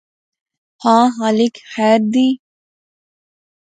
ہاں خالق خیر دی